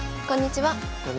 こんにちは。